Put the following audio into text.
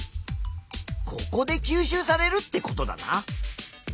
ここで吸収されるってことだな。